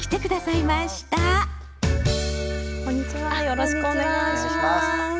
よろしくお願いします。